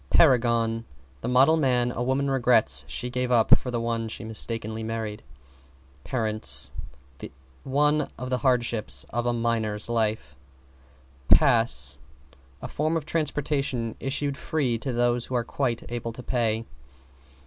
=PARAGON= The model man a woman regrets she gave up for the one she mistakenly married. =PARENTS= One of the hardships of a minor's life. =PASS= A form of transportation issued free to those who are quite able to pay.